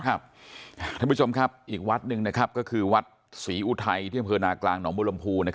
ท่านผู้ชมครับอีกวัดหนึ่งก็คือวัดศรีอุทัยที่อำเภอนากลางหนองบุรมภู